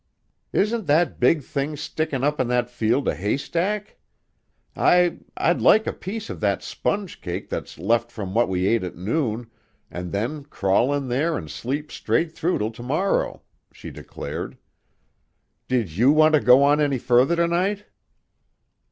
"Isn't that big thing stickin' up in that field a haystack? I I'd like a piece of that sponge cake that's left from what we ate at noon, and then crawl in there an' sleep straight through till to morrow," she declared. "Did you want to go on any further to night?"